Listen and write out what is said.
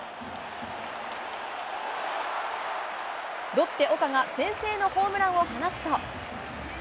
ロッテ、岡が先制のホームランを放つと。